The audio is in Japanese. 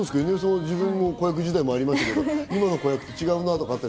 自分の子役時代もありましたけど、今の子役と違いますか？